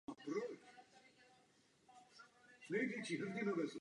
Zabýval se převážně výrobou a tepelným zpracováním ocelí.